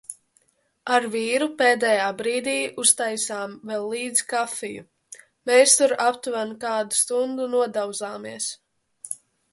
Ar vīru pēdējā brīdī uztaisām vēl līdzi kafiju. Mēs tur aptuveni kādu stundu nodauzāmies.